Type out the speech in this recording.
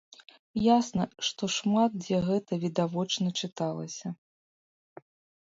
Ясна, што шмат дзе гэта відавочна чыталася.